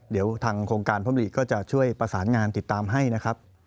เดี๋ยวทางโครงการพรมหรีก็จะช่วยประสานงานติดตามให้นะครับ